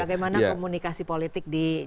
bagaimana komunikasi politik dijalin